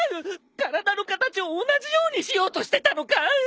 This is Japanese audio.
体の形を同じようにしようとしてたのかい！？